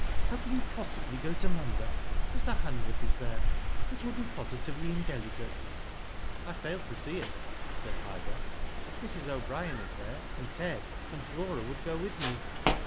'*How can you possibly go to Munda? Mr. Hanworth is there. It would be positively indelicate." " I fail to see it/' said Ida. *^Mrs. O'Brien is there, and Ted, and Flora would go with me."